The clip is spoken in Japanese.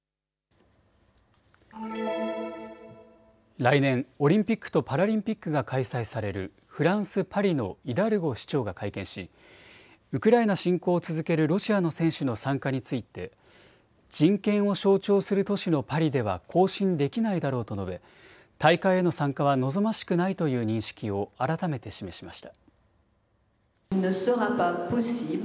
来年、オリンピックとパラリンピックが開催されるフランス・パリのイダルゴ市長が会見しウクライナ侵攻を続けるロシアの選手の参加について人権を象徴する都市のパリでは行進できないだろうと述べ大会への参加は望ましくないという認識を改めて示しました。